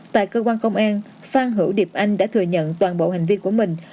tại cơ quan công an phan hữu điệp anh đã thừa nhận toàn bộ hành vi của mình